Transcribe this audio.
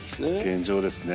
現状ですね。